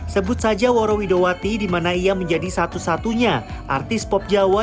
sebut saja woro widowati di mana ia menjadi satu satunya artis pop jawa